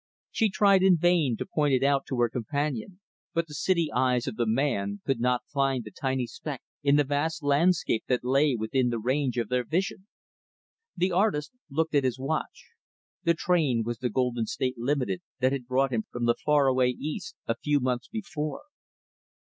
She tried in vain to point it out to her companion. But the city eyes of the man could not find the tiny speck in the vast landscape that lay within the range of their vision. The artist looked at his watch. The train was the Golden State Limited that had brought him from the far away East, a few months before.